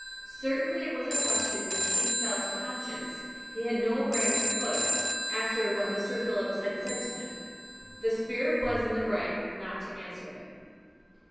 Certainly it was a question which he felt conscious he had no right to put, after what Mr. Phillips had said to him. The spirit was in the right not to answer it.